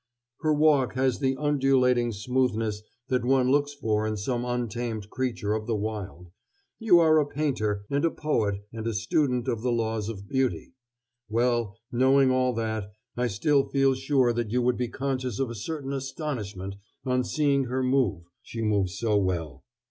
... her walk has the undulating smoothness that one looks for in some untamed creature of the wild.... You are a painter, and a poet, and a student of the laws of Beauty. Well, knowing all that, I still feel sure that you would be conscious of a certain astonishment on seeing her move, she moves so well.